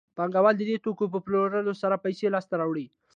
پانګوال د دې توکو په پلورلو سره پیسې لاسته راوړي